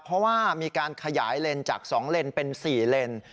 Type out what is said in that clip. เพราะว่ามีการขยายเลนจาก๒เลนเป็น๔เลน